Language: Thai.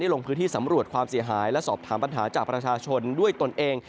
ลงพื้นที่สำรวจความเสียหายและสอบถามปัญหาจากประชาชนด้วยตนเอง